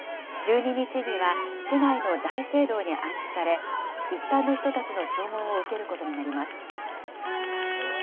１２日には市内の大聖堂に安置され、一般の人たちの弔問を受けることになります。